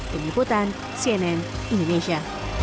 penyekatan cnn indonesia